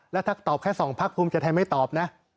แล้วถ้าตอบแค่๒พักภูมิใจไทยไม่ตอบนะ